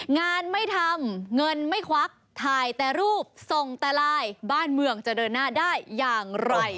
งานไม่ทำเงินไม่ควักถ่ายแต่รูปส่งแต่ลายบ้านเมืองจะเดินหน้าได้อย่างไร